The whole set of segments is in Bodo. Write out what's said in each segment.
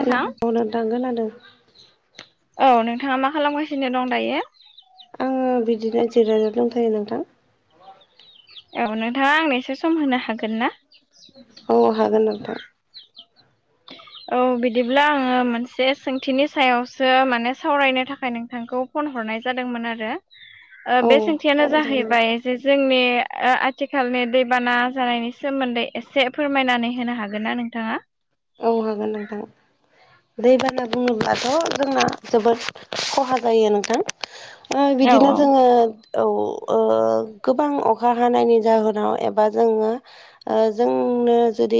हेलौ नंगौ नोंथां। खोनादों। औ नोंथाङा मा खालामगासिनो दं दायो? आङो बिदिनो जिरायाव दंथायायो नोंथां। औ नोंथाङा आंनसो सम होनो हागोन ना। औ हागोन नोंथां। [inaudible] औ बिदिब्ला आङो मोनसे सोंथिनि सायावसो माने सावरायनो थाखाय नोंथांखौ फन हरनाय जादोंमोन आरो। ओ औ बे सोंथियानो सावरायजागोन जाहैबाय नोंथां जे जोंनि ओ आथिखालनि दैबाना जानायनि सोमोन्दै एसे फोरमायनानै होनो हागोन ना नोंथाङा? औ हागोन नोंथां। दैबाना बुङोब्लाथ' जोंना जोबोद खहा जायो नोंथां ओ औ बिदिनो औ जोङो औ ओ गोबां अखा हानायनि जाहोनाव एबा जोङो ओ जोंनो जुदि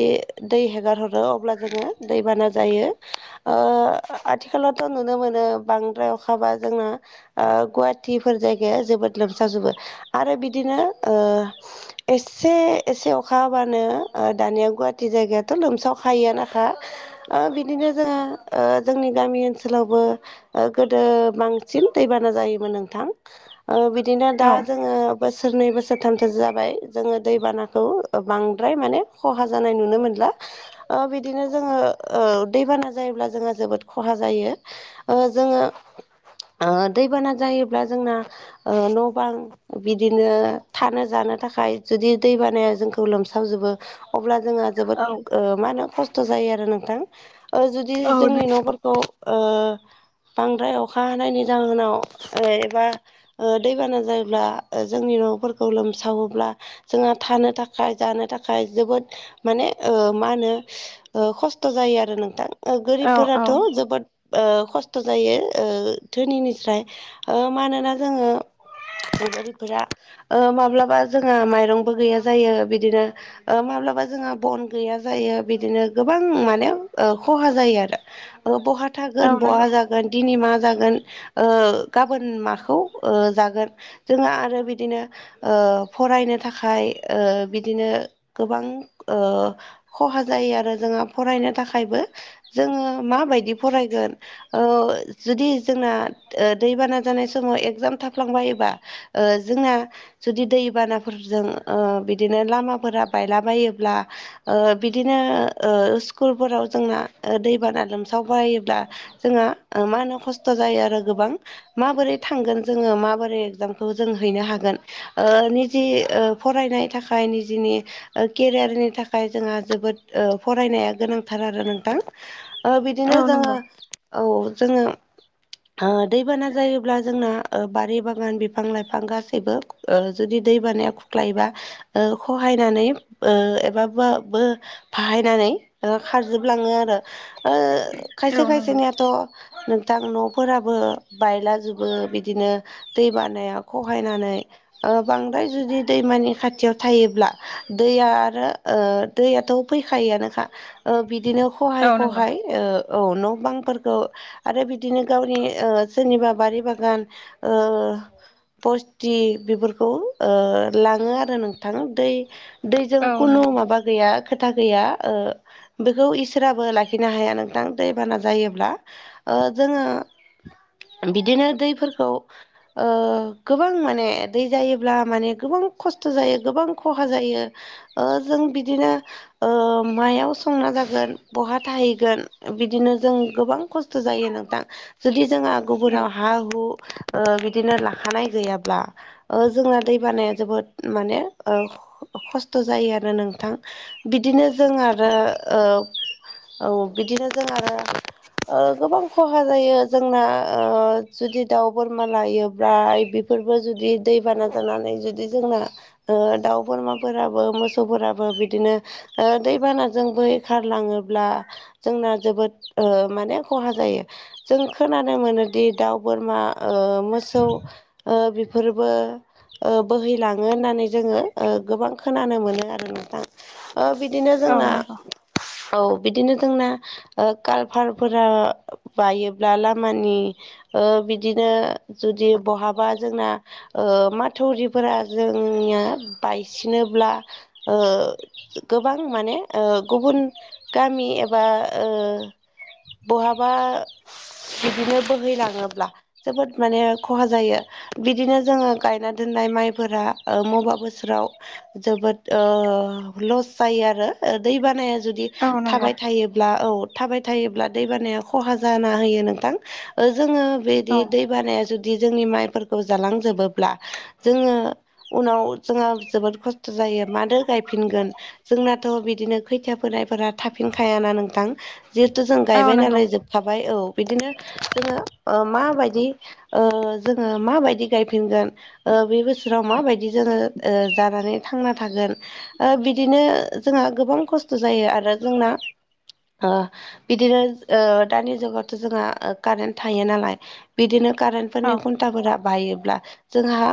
दै हेगारहरो अब्ला जोङो दैबाना जायो। ओ आथिखालावथ' नुनो मोनो बांद्राय अखाबा जोङो गुवाहाटिफोर जायगाया जोबोद लोमसाजोबो आरो बिदिनो एसे एसे अखा हाबानो दानिया गुवाहाटि जायगायाथ' लोमसाव खायोआनोखा बिदिनो जोङो जोंनि गामि ओनसोलावबो गोदो बांसिन दैबाना जायोमोन नोंथां। बिदिनो दा औ जोङो बोसोरनै बोसोरथामसो जाबाय जोङो दैबानाखौ। बांद्राय माने खहा जानाय नुनो मोनला। बिदिनो जोङो दैबाना जायोब्ला जोङो जोबोद खहा जायो। जोङो दैबाना जायोब्ला जोंना ओ न' बां बिदिनो थानो जानो थाखाय जुदि दै बानाया जोंखौ लोमसावजोबो। अब्ला जोङो जोबोद मा होनो खस्थ जायो आरो नोंथां जुदि औ जोंनि न'फोरखौ बांद्राय अखा हानायनि जाहोनाव एबा दैबाना जायोब्ला जोंनि न'फोरखौ लोमसावोब्ला जोंहा थानो थाखाय जानो थाखाय जोबोद माने मा होनो खस्थ जायो आरो नोंथां औ औ गोरिबफोराथ जोबोद खस्थ जायो धोनिनिफ्राय मानोना जोङो [unintelligible] माब्लाबा जोंहा माइरंबो गैया जायो बिदिनो माब्लाबा जोंहा बन गैया जायो। बिदिनो गोबां माने खहा जायो आरो बहा औ थागोन नंगौ बहा जागोन। दिनै मा जागोन गाबोन माखौ जागोन। जोंहा आरो बिदिनो फरायनो थाखाय बिदिनो गोबां खहा जायो आरो जोंहा फरायनो थाखायबो जोङो माबायदि फरायगोन। ओ जुदि जोंना दैबाना जानाय समाव एगजाम थाफ्लांबायोबा जोंना जुदि दैबानाफोरजों बिदिनो लामाफोरा बायलाबायोब्ला बि बिदिनो स्कुलफोराव जोंना दैबाना लोमसाव बायोब्ला जोंहा मा होनो खस्थ जायो आरो गोबां माबोरै थांगोन जोङो माबोरै एग्जामखौ जों हैनो हागोन। निजि फरायनाय थाखाय निजिनि केरियारनि थाखाय जोंहा जोबोद फरायनाया गोनांथार आरो नोंथां औ बिदिनो जोङो नंगौ औ जोङो दैबाना जायोब्ला जोंना बारि बागान बिफां लाइफां गासैबो जुदि दै बानाया खुख्लायोबा खहायनानै एबा बा बो बाहायनानै खारजोबलाङो आरो औ खायसे नंगौ खायसेनियाथ' नोंथां न'फोराबो बायलाजोबो बिदिनो दै बानाया खहायनानै बांद्राय जुदि दैमानि खाथियाव थायोब्ला दैया आरो दैयाथ फैखायोआनोखा बिदिनो औ खहाय नंगौ खहाय औ न' बांफोरखौ आरो बिदिनो गावनि सोरनिबा बारि बागान। ओ। बस्ति बेफोरखौ लाङो आरो नोंथां दै दैजों औ खुनु नंगौ माबा गैया खोथा गैया। बेखौ इसोराबो लाखिनो हाया नोंथां दैबाना जायोब्ला जोङो बिदिनो दैफोरखौ गोबां माने दै जायोब्ला माने गोबां खस्थ जायो गोबां खहा जायो। ओ जों बिदिनो मायाव संना जागोन बहा थाहैगोन बिदिनो जों गोबां खस्थ जायो नोंथां। जुदि जोंहा गुबुनाव औ हा हु बिदिनो लाखानाय गैयाब्ला। जोंना दै बानाया जोबोद माने खस्थ जायो आरो नोंथां‌। बिदिनो जों आरो औ बिदिनो जों आरो गोबां खहा जायो जोंना जुदि दाउ बोरमा लायोब्ला बेफोरबो जुदि दैबाना जानानै जुदि जोंना दाउ बोरमाफोराबो मोसौफोराबो बिदि बिदिनो दैबानाजों बोहैखारलाङोब्ला जोंना जोबोद माने खहा जायो। जों खोनानो मोनोदि दाउ बोरमा मोसौ ओ बेफोरबो बोहैलाङो होननानै जोङो गोबां खोनानो मोनो आरो नोंथां। बिदिनो औ जोंना नंगौ औ बिदिनो जोंना कालभारफोरा बायोब्ला लामानि बिदिनो जुदि बहाबा जोंना माथौरिफोरा जोंया बायसिनोब्ला गोबां माने गुबुन गामि एबा बहाबा बिदिनो बोहैलाङोब्ला जोबोद माने खहा जायो। बिदिनो जोङो गायना दोननाय माइफोरा बबेबा बोसोराव जोबोद ओ लस जायो आरो दैबानाया जुदि औ थाबाय नंगौ थायोब्ला औ थाबाय थायोब्ला दैबानाया खहा जाना होयो नोंथां जोङो बिदि औ दैबानाया जुदि जुदि जोंनि माइफोरखौ जालांजोबोब्ला जोङो उनाव जोंहा जोबोद खस्थ जायो मादो गायफिनगोन। जोंनाथ बिदिनो खैथिया फोनायफोरा थाफिनखायाना नोंथां। जिहेथु जों औ गायबाय नंगौ नालाय जोबखाबाय औ बिदिनो जोङो माबायदि जोङो माबायदि गायफिनगोन। बे बोसोराव माबायदि जोङो जानानै थांना थागोन। बिदिनो जोंहा गोबां खस्थ' जायो आरो जोंना बिदिनो दानि जुगावथ' जोंहा कारेन्ट थायो नालाय बिदिनो औ कारेन्टफोरनि खुन्थाफोरा बायोब्ला जोंहा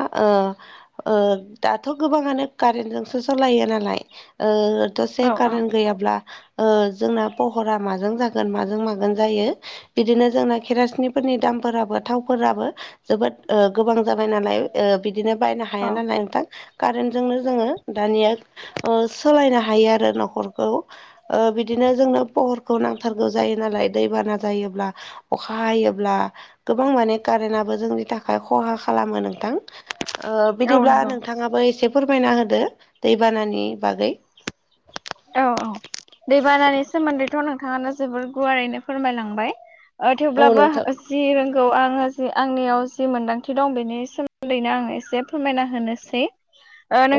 दाथ' गोबाङानो कारेन्टजोंसो सालायो ना। फाय ओ दसे औ औ कारेन गैयाब्ला जोंना पहरा माजों जागोन माजों मागोन जायो। बिदिनो जोंना खेरासनिफोरनि दामफोराबो थावफोराबो जोबोद गोबां जाबाय नालाय बिदिनो बायनो औ हाया नालाय नोंथां। कारेन्टजोंनो जोंङो दानिया सोलायनो हायो आरो न'खरखौ बिदिनो जोंनो पहरखौ नांथारगौ जायो नालाय दैबाना जायोब्ला अखा हायोब्ला गोबां माने कारेन्टआबो जोंनि थाखाय खहा खालामो नोंथां। औ बिदिब्ला नंगौ नोंथाङाबो एसे फोरमायना होदो दैबानानि बागै औ औ। दैबानानि सोमोन्दैथ' नोंथाङानो जोबोर गुवारैनो फोरमायलांबाय औ थेवब्लाबो नोंथां जि रोंगौ आङो जि आंनियाव जि मोनदांथि दं बेनि सोमोन्दैनो आंङो एसे फोरमायना होनोसै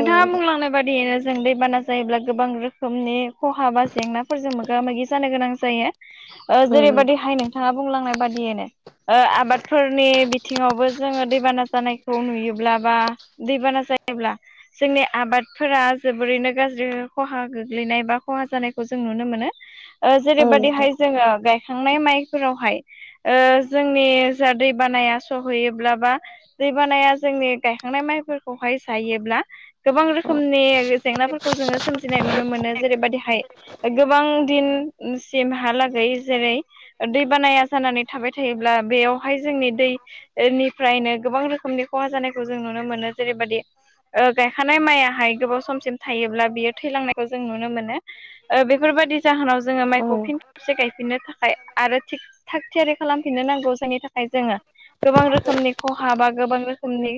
औ नोंथां बुंलांनाय बादियैनो जों दैबाना जायोब्ला गोबां रोखोमनि खहा बा जेंनाफोरजों मोगा मोगि जानो गोनां जायो औ नोंथां जेरैबायदिहाय नों नोंथाङा बुंलांनाय बादिनो आबादफोरनि बिथिङावबो जोङो दैबाना जानायखौ नुयोब्लाबा दैबाना जायोब्ला जोंनि आबादफोरा जोबोरैनो गाज्रि खहा गोग्लैनाय बा खहा जानायखौ जों नुनो मोनो औ नोंथां जेरैबायदिहाय जोङो गायखांनाय माइफोरावहाय जोंनि जा दै बानाया सहैयोब्लाबा दैबानाया जोंनि गायखांनाय माइफोरखौहाय जायोब्ला गोबां रोखोमनि जेंनाफोरखौ जोङो सोमजिनाय नुनो मोनो जेरैबायदि गोबां दिनसिमहालागै जेरै दै बानाया जानानै थाबाय थायोब्ला बेयावहाय जोंनि दै निफ्रायनो गोबां रोखोमनि खहा जानायखौ जों नुनो मोनो जेरैबायदि गायखानाय मायाहाय गोबाव समसिम थायोब्ला बियो थैलांनायखौ जों नुनो मोनो। बेफोरबायदि जाहोनाव जोङो औ माइखौ फिन खेबसे गायफिननो थाखाय आरो थिग थाग थियारि खालामफिननो नांगौ जायनि थाखाय जोङो गोबां रोखोमनि खहा बा गोबां रोखोमनि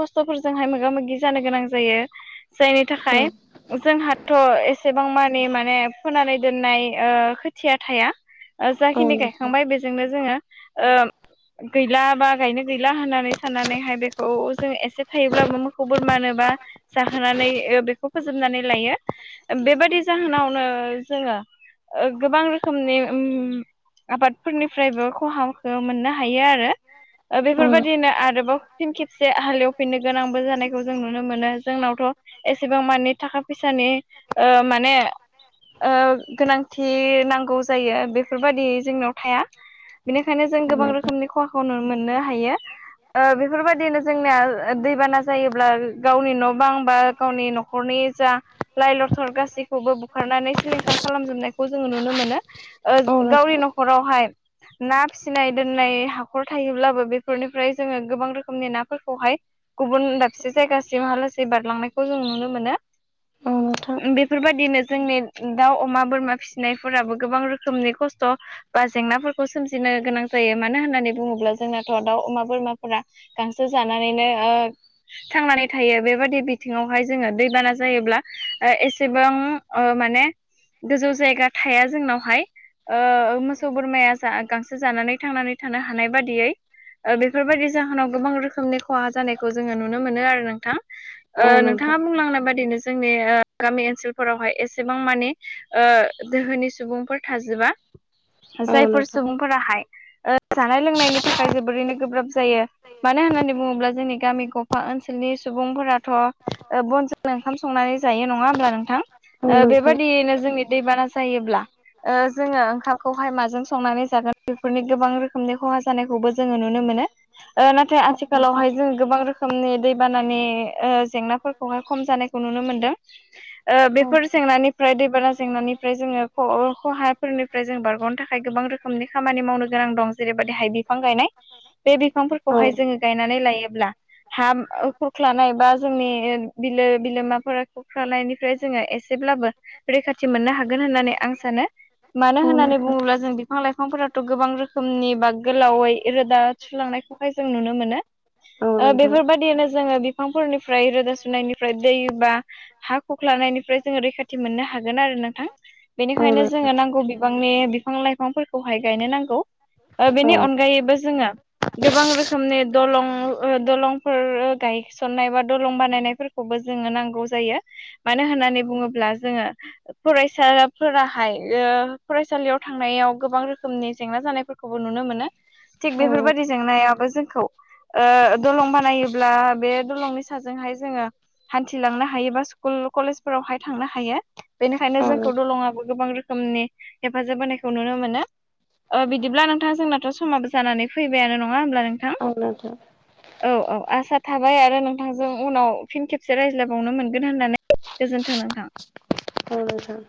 खस्थ'फोरजोंहाय मोगा मोगि जानो गोनां जायो। जायनि थाखाय जोंहाथ' एस बेसेबां मानि माने फोनानै दोननाय खोथिया थाया औ जाखिनि नोंथां गायखांबाय बे जोंनो जोङो ओ। गैला बा गायनो गैला होननानै साननानैहाय बेखौ जों एसे थायोब्लाबो मोखौ बोरमानोबा। जाहोनानै बेखौ फोजोबनानै लायो बेबादि जाहोनावनो जोङो गोबां रोखोमनि आबादफोरनिफ्रायबो खहा मोननो हायो आरो औ बेफोरबायदिनो आरोबाव फिन खेबसे हालेवफिननो गोनांबो जानायखौ जों नुनो मोनो जोंनावथ' एसेबां माने थाखा फैसानि माने ओ गोनांथि नांगौ जायो बेफोरबायाददि जोंनाव थाया। बेनिखायनो जों औ नोंथां औ गोबां नोंथां रोखोमनि खहाखौ नु मोननो हायो। बेफोरबायदिनो जोंनिया दैबाना जायोब्ला गावनि न' बां बा गावनि न'खरनि जा लाइ ल क्टर गासैखौबो बुखारनानै सिलिंखार खालामजोबनायखौ जोङो नुनो मोनो। औ नोंथां गावनि न'खरावहाय ना फिसिनाय दोननाय हाखर थायोब्लाबो बेफोरनिफ्राय जोङो गोबां रोखोमनि नाफोरखौहाय गुबुन दाबसे जायगासिमहा लासै बारलांनायखौ जों नुनो मोनो। बेफोरबायदिनो जोंनि दाउ अमा बोरमा फिसिनायफोराबो गोबां रोखोमनि खस्थ' बा जेंनाफोरखौ सोमजिनो गोनां जायो मानो होननानै बुङोब्ला जोंनाथ' दाउ अमा बोरमाफोरा गांसो जानानैनो ओ थांनानै थायो बेबायदि बिथिङावहाय जोङो दैबाना जायोब्ला एसेबां माने गोजौ जायगा थाया जोंनावहाय मोसौ बोरमाया जा गांसो जानानै थांनानै थानो हानाय बादियै बेफोरबायदि जाहोनाव गोबां रोखोमनि खहा जानायखौ जोङो नुनो मोनो आरो नोंथां। नोंथाङा बुंलांनाय बायदिनो जोंनि ओ गामि ओनसोलफोरावहाय एसेबां माने ओ दोहोनि सुबुंफोर थाजोबा औ जायफोर नोंथां सुबुंफोराहाय ओ जानाय लोंनायनि थाखाय जोबोरैनो गोब्राब जायो। मानो होननानै बुङोब्ला जोंनि गामि गफा ओनसोलनि सुबुंफोराथ' बन जोंनो ओंखाम संनानै जायो नङा होमब्ला नोंथां औ नोंथां बेबादियैनो जोंनि दैबाना जायोब्ला जोङो ओंखामखौहाय माजों संनानै जागोन बेफोरनि गोबां रोखोमनि खहा जानायखौबो जोङो नुनो मोनो। नाथाय हम्म. आथिखालावहाय जोङ गोबां रोखोमनि दैबानानि जेंनाफोर खौहाय खम जानायखौ नुनो मोनदों। हो. बेफोर जेंनानिफ्राय दैबाना जेंनानिफ्राय जोङो खहाफोरनिफ्राय जों बारग'नो थाखाय गोबां रोखोम नि खामानि मावनो गोनां दं जेरैबायदि हाय बिफां गायनाय। बे औ बिफांफोरखौहाय जोङो गायनानै लायोब्ला हा खख्लानाय बा जोंनि बिलो बिलोमाफोरा खुख्रालायनिफ्राय जोङो एसेब्लाबो रैखाथि मोननो हागोन होननानै आं सानो। मानो होननानै नोंथां बुङोब्ला जों बि फां लाइफांफोराथ' गोबां रोखोमनि बा गोलावै रोदा थुलांनायखौहाय जों नुनो मोनो। औ नोंथां बेफोरबायादियैनो जोङो बिफांफोरनिफ्राय रोदा सुनायनिफ्राय दै बा हा खुख्लानायनिफ्राय जोङो रैखाथि मोननो हागोन आरो नोंथां। औ बेनिखायनो नोंथां जोङो नांगौ बिबांनि बिफां लाइफांफोरखौहाय गायनो नांगौ। औ बेनि अनगायैबो जोङो गोबां रोखोमनि दलं दलंफोर गायसननाय बा दलं बानायनायफोर खौबो जोङो नांगौ जायो मानो होननानै बुङोब्ला जोङो फरायसाफोराहाय फरायसालियाव थांनायाव गोबां रोखोमनि जेंना जानायफोर खौबो नुनो मोनो थिग औ बेफोरबायदि नोंथां जेंनायाबो जोंखौ दलं बानायोब्ला बे दलंनि साजोंहाय जोङो हान्थिलांनो हा हायो स्कुल कलेजफोरावहाय थांनो हायो बेनिखायनो औ जोंखौ दलङाबो गोबां रोखोम समनि हेफाजाब होनायखौ नुनो मोनो। बिदिब्ला नोंथाङा जोंनाथ' समाबो जानानै फैबायानो नङा होमब्ला नोंथाङा औ नोंथां। औ औ आसा थाबाय आरो नोंथांजों उनाव फिन खेबसे रायज्ला बावनो मोनगोन होननानै गोजोन्थों नोंथां। औ नोंथां।